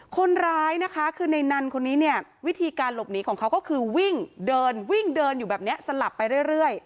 คนร้ายนะคะคือในนันคนนี้เนี่ยวิธีการหลบหนีของเขาก็คือวิ่งเดินวิ่งเดินอยู่แบบนี้สลับไปเรื่อย